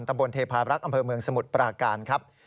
ตำบลเทพารักษ์อำเภอเมืองสมุทรปราการ